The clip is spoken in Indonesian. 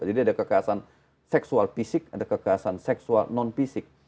jadi ada kekerasan seksual fisik ada kekerasan seksual non fisik